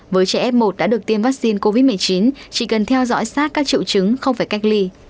với trẻ f một đã được tiêm vaccine covid một mươi chín chỉ cần theo dõi sát các triệu chứng không phải cách ly